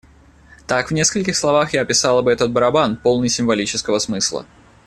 Так в нескольких словах я описала бы этот барабан, полный символического смысла.